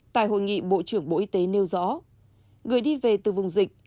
tại hội nghị bộ trưởng bộ y tế nêu rõ người đi về từ vùng dịch